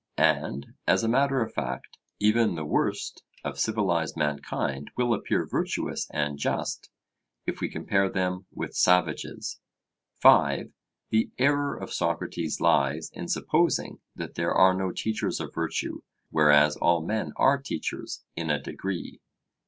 And, as a matter of fact, even the worst of civilized mankind will appear virtuous and just, if we compare them with savages. (5) The error of Socrates lies in supposing that there are no teachers of virtue, whereas all men are teachers in a degree.